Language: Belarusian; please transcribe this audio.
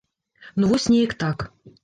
Ну вось неяк так.